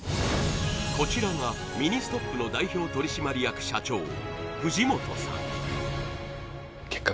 こちらがミニストップの代表取締役社長藤本さん